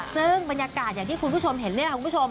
ซึ่งบรรยากาศอย่างที่คุณผู้ชมเห็นเนี่ยคุณผู้ชม